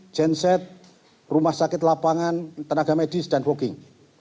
jenset rumah sakit lapangan tenaga medis dan walking